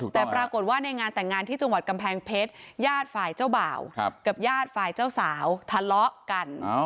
แต่ปรากฏว่าในงานแต่งงานที่จังหวัดกำแพงเพชรญาติฝ่ายเจ้าบ่าวกับญาติฝ่ายเจ้าสาวทะเลาะกัน